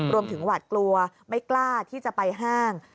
รวมถึงหวัดกลัวไม่กล้าที่จะไปห้าง